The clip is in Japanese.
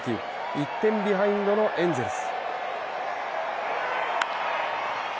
１点ビハインドのエンゼルス。